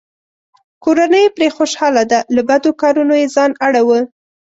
کورنۍ یې پرې خوشحاله ده؛ له بدو کارونو یې ځان اړووه.